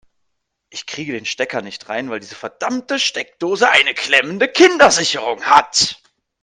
Ich kriege den Stecker nicht rein, weil diese verdammte Steckdose eine klemmende Kindersicherung hat.